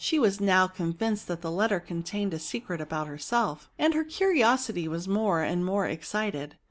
208 was now convinced that the letter contained a secret about herself, and her curiosity was more and more excited.